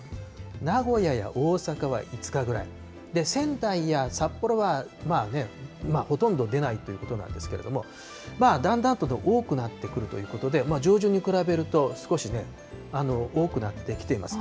名古屋や大阪は５日ぐらい、仙台や札幌はほとんど出ないということなんですけれども、だんだんと多くなってくるということで、上旬に比べると、少しね、多くなってきてます。